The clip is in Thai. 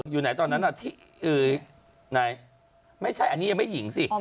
อยู่ไหนตอนนั้นที่ไหนไม่ใช่อันนี้ยังไม่หญิงสิ